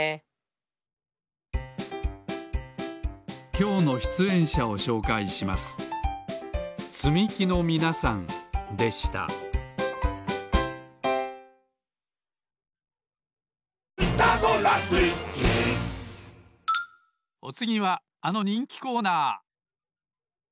きょうのしゅつえんしゃをしょうかいしますでしたおつぎはあのにんきコーナー！